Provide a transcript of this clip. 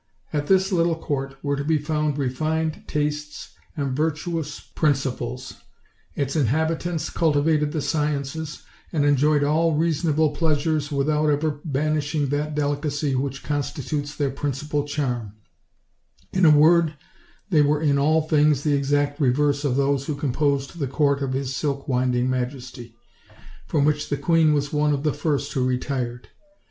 At this little court were to be found refined tastes and virtuous prm ciples; its inhabitants cultivated the sciences, and en joyed all reasonable pleasures without ever banishing that delicacy which constitutes their principal charm; in a word, they were in all things the exact reverse of those who composed the court of his silk winding majesty, from which the queen was one of the first who retired.